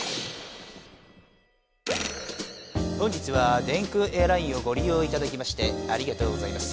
本日は電空エアラインをご利用いただきましてありがとうございます。